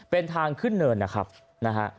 เป็นทางขึ้นเนินนะครับนะฮะ